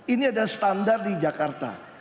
ini ada standar di jakarta